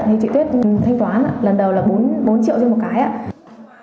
thì chị tuyết thanh toán lần đầu là bốn triệu trên một cái ạ